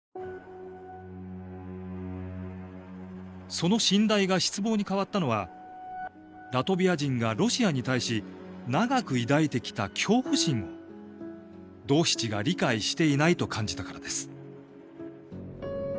その信頼が失望に変わったのはラトビア人がロシアに対して長く抱いてきた恐怖心をドーシチが理解していないと感じたからです。